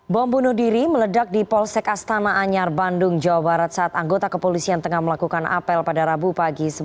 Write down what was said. bom bunuh diri meledak di polsek astana anyar bandung jawa barat saat anggota kepolisian tengah melakukan apel pada rabu pagi